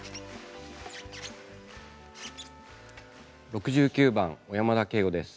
６９番小山田圭吾です。